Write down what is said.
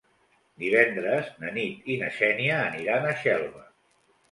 Divendres na Nit i na Xènia aniran a Xelva.